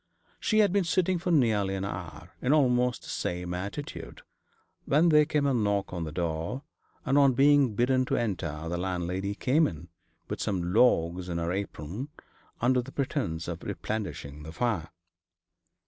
She had been sitting for nearly an hour in almost the same attitude, when there came a knock at the door, and, on being bidden to enter, the landlady came in, with some logs in her apron, under pretence of replenishing the fire.